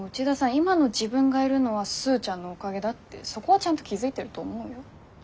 今の自分がいるのはスーちゃんのおかげだってそこはちゃんと気付いてると思うよ？